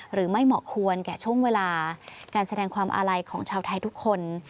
เหมาะควรแก่ช่วงเวลาการแสดงความอาลัยของชาวไทยทุกคน